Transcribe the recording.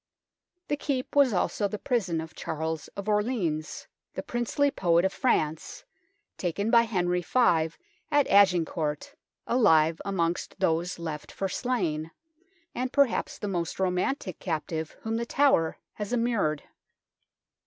The Keep was also the prison of Charles of Orleans, the princely poet of France, taken by Henry V at Agincourt, alive amongst those left for slain, and perhaps the most romantic captive whom The Tower has immured.